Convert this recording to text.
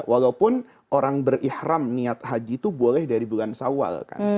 walaupun orang berikhram niat haji itu boleh dari bulan sawal kan